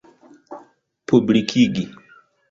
publikigi